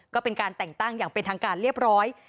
ก็ได้แต่งตั้งเป็นทางการเรียบร้อย